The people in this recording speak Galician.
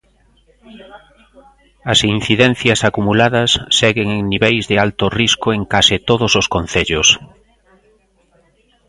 As incidencias acumuladas seguen en niveis de alto risco en case todos os concellos.